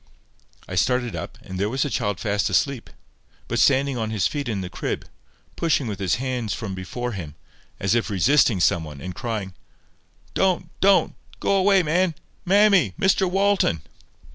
I started up, and there was the child fast asleep, but standing on his feet in his crib, pushing with his hands from before him, as if resisting some one, and crying— "Don't. Don't. Go away, man. Mammy! Mr Walton!"